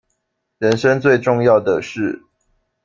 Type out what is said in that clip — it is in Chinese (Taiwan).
人生最重要的事